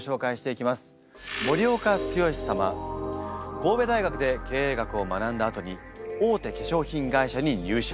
神戸大学で経営学を学んだあとに大手化粧品会社に入社。